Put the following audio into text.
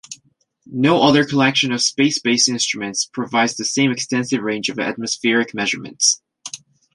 No other collection of space-based instruments provides the same extensive range of atmospheric measurements.